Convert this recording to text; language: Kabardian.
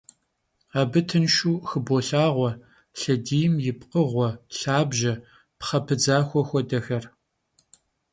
Abı tınşşu xıbolhağue lhediym yi pkhığue, lhabje, pxhe pıdzaxue xuedexer.